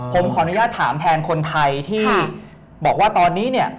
ผมขออนุญาตถามแทนคนไทยที่บอกว่าตอนนี้เนี่ย